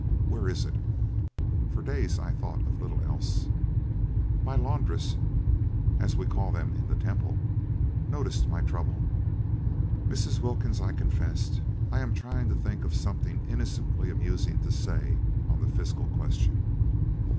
Where is it? For days I thought of little else. My laundress—as we call them in the Temple—noticed my trouble. "Mrs. Wilkins," I confessed, "I am trying to think of something innocently amusing to say on the Fiscal question."